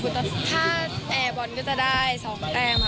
ถ้าแอร์บอลก็จะได้๒แตมค่ะ